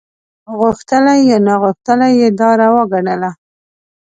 غوښتلي یا ناغوښتلي یې دا روا ګڼله.